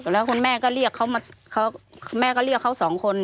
แล้วคุณแม่ก็เรียกเขาสองคน